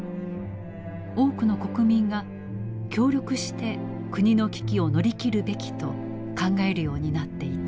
多くの国民が協力して国の危機を乗り切るべきと考えるようになっていた。